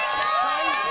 最高！